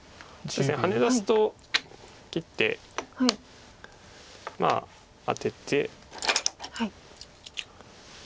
ハネ出すと切ってまあアテて。